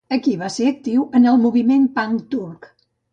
Aquí va ser actiu en el moviment pan-turc.